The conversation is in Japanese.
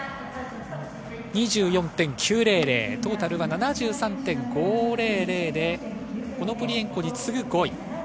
２４．９００、トータル７３．５００でオノプリエンコに次ぐ５位。